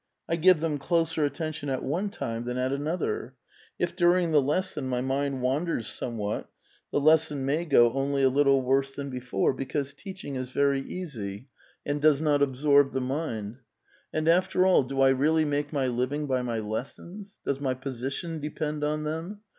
I give them closer attention at one time than at another ; if during the lesson ray mind wanders somewhat, the lesson may go only a little worse than before, because teaching is very easy, and ^ Khozydistvo, 362 A VITAL QUESTION. does not absorb the mind. And, after all, do I really make my living by my lessons? does my position depend on them?